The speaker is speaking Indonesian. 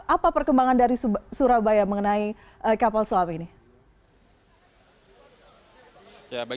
apa perkembangan dari surabaya mengenai kapal selam ini